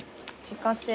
自家製。